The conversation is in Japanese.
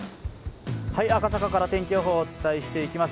赤坂から天気予報をお伝えしていきます。